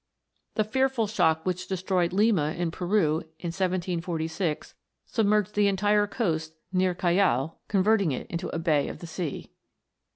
The fearful shock which destroyed Lima, in Peru, in 1746, submerged the entire coast near Callao, converting it into a bay of the sea.